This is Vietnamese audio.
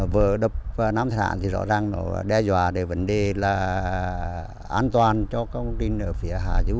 vỡ đập nam thạch hán thì rõ ràng nó đe dọa đến vấn đề là an toàn cho công trình ở phía hạ dư